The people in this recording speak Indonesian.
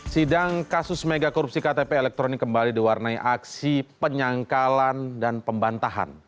sidang kasus mega korupsi ktp elektronik kembali diwarnai aksi penyangkalan dan pembantahan